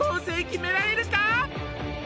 生決められるか？